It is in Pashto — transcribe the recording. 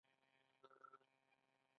استاد د ټولنې د فکري بډاینې لامل ګرځي.